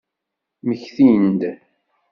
Mmektin-d.